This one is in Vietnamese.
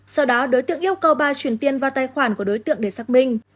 sau đó đối tượng yêu cầu bà chuyển tiền vào tài khoản của đối tượng để xác minh